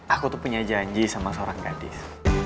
aku tuh punya janji sama seorang gadis